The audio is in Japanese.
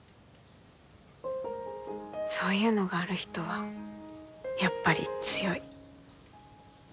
そういうのがある人はやっぱり強い。